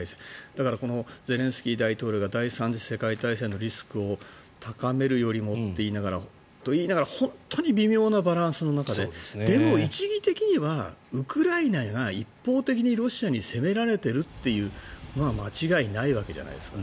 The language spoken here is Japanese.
だから、ゼレンスキー大統領が第３次世界大戦のリスクを高めるよりもって言いながら本当に微妙なバランスの中ででも一義的にはウクライナが一方的にロシアに攻められているというのは間違いないわけじゃないですか。